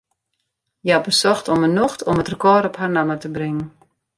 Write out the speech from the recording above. Hja besocht om 'e nocht om it rekôr op har namme te bringen.